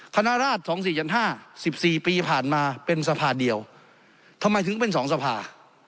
คณะราช๒๔๕๑๔ปีผ่านมาเป็นสภาเดียวทำไมถึงเป็น๒สภา